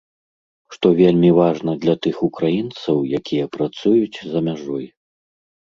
Што вельмі важна для тых украінцаў, якія працуюць за мяжой.